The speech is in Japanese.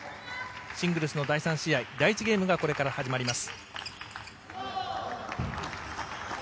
シングルスの第３試合、第１ゲームがこれから始まります。